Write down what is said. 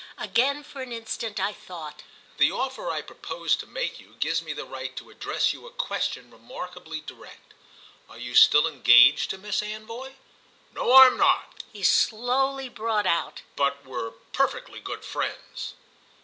Again for an instant I thought. "The offer I propose to make you gives me the right to address you a question remarkably direct. Are you still engaged to Miss Anvoy?" "No, I'm not," he slowly brought out. "But we're perfectly good friends."